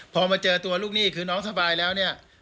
พอมาเจอตัวลูกหนี้คือน้องสบายแล้วเนี่ย